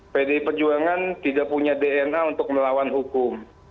pdi perjuangan tidak punya dna untuk melawan hukum